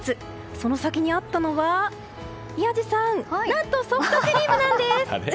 その先にあったのは、宮司さん何とソフトクリームなんです！